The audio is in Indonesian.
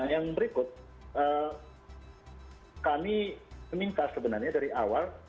yang berikut kami meminta sebenarnya dari awal